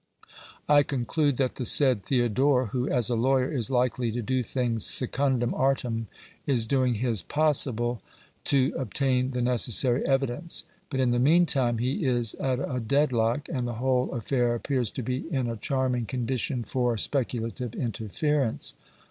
I conclude that the said Theodore, who, as a lawyer, is likely to do things secundum artem, is doing his possible to obtain the necessary evidence; but in the meantime he is at a dead lock, and the whole affair appears to be in a charming condition for speculative interference.